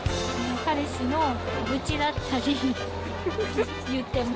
彼氏の愚痴だったり、言ってます。